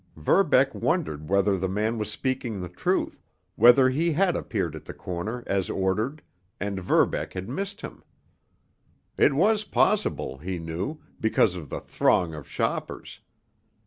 Verbeck wondered whether the man was speaking the truth, whether he had appeared at the corner, as ordered, and Verbeck had missed him. It was possible, he knew, because of the throng of shoppers.